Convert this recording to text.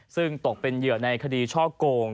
ซึ่งตกเป็นเหยื่อในคดีช่อโกง